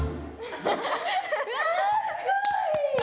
うわすごい！